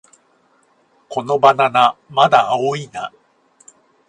このバナナ、まだ青いな